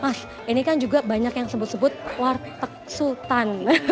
mas ini kan juga banyak yang sebut sebut warteg sultan